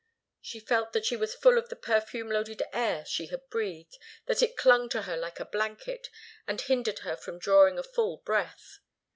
She felt that she was full of the perfume loaded air she had breathed, that it clung to her like a blanket, and hindered her from drawing a full breath.